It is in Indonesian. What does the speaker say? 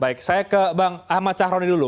baik saya ke bang ahmad sahroni dulu